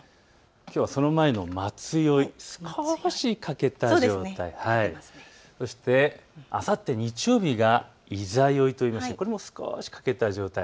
きょうはその前の待宵、少し欠けた状態、そしてあさって日曜日が十六夜といいましてこれも少し欠けた状態。